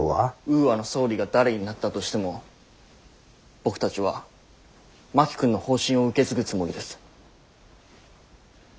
ウーアの総理が誰になったとしても僕たちは真木君の方針を受け継ぐつもりです。